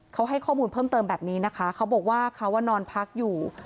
เขาให้ข้อมูลเพิ่มเติมแบบนี้นะคะเขาบอกว่าเขานอนพักอยู่